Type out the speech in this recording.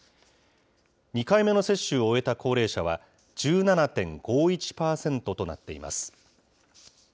２回目の接種を終えた高齢者は１７．５１％となっています。